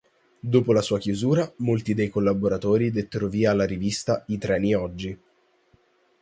Dopo la sua chiusura molti dei collaboratori dettero vita alla rivista "I treni oggi".